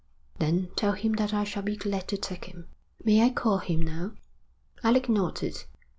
'Then tell him that I shall be glad to take him.' 'May I call him now?' Alec nodded.